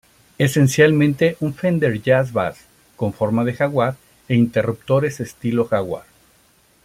Esencialmente un Fender Jazz Bass con forma de Jaguar e interruptores estilo Jaguar.